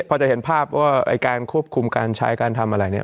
พอจะเห็นภาพว่าไอ้การควบคุมการใช้การทำอะไรเนี่ย